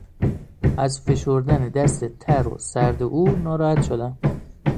از فشردن دست تر و سرد او ناراحت شدم.